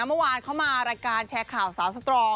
เมื่อวานเขามารายการแชร์ข่าวสาวสตรอง